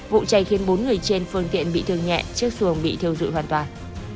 vụ cháy khiến bốn người trên phương tiện bị thương nhẹ chiếc xuồng bị thiêu dụi hoàn toàn